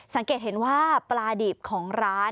สังเกตเห็นว่าปลาดิบของร้าน